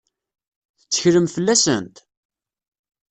Tetteklem fell-asent?